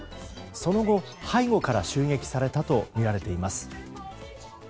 その後、背後から襲撃されたとみられています。